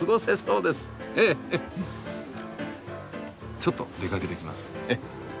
ちょっと出かけてきます。